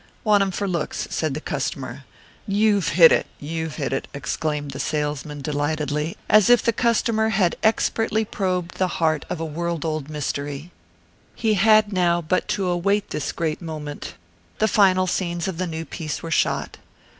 "Want 'em for looks," said the customer. "You've hit it, you've hit it!" exclaimed the salesman delightedly, as if the customer had expertly probed the heart of a world old mystery. He had now but to await his great moment. The final scenes of the new piece were shot.